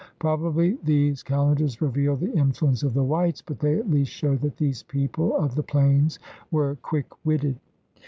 Probably these cal endars reveal the influence of the whites, but they at least show that these people of the plains were quick witted.